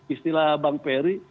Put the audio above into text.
istilah bang peri